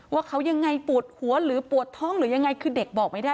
ว่าเขายังไงปวดหัวหรือปวดท้องหรือยังไงคือเด็กบอกไม่ได้